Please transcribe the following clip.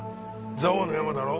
蔵王の山だろ？